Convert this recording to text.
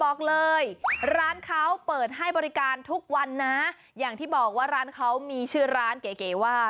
บอกเลยร้านเขาเปิดให้บริการทุกวันนะอย่างที่บอกว่าร้านเขามีชื่อร้านเก๋เก๋ว่า